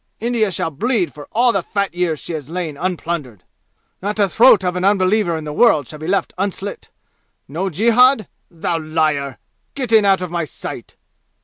India shall bleed for all the fat years she has lain unplundered! Not a throat of an unbeliever in the world shall be left un slit! No jihad? Thou liar! Get in out of my sight!"